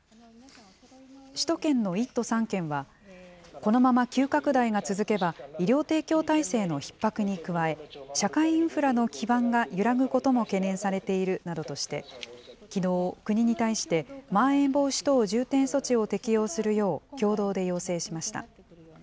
首都圏の１都３県は、このまま急拡大が続けば、医療提供体制のひっ迫に加え、社会インフラの基盤が揺らぐことも懸念されているなどとして、きのう、国に対して、まん延防止等重点措置を適用するよう、共同で要請しました。